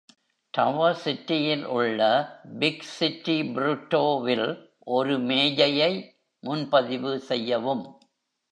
Tower Cityயில் உள்ள Big City Burritoவில் ஒரு மேஜையை முன்பதிவு செய்யவும்.